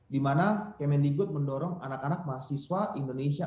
di mana kemendikut mendorong anak anak mahasiswa indonesia